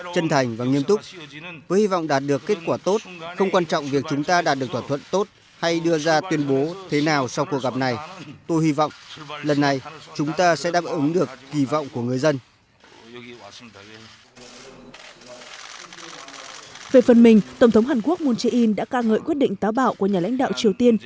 về phần mình tổng thống hàn quốc moon jae in đã ca ngợi quyết định táo bảo của nhà lãnh đạo triều tiên